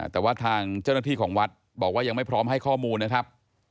แต่ว่าทางเจ้าหน้าที่ของวัดบอกว่ายังไม่พร้อมให้ข้อมูลนะครับ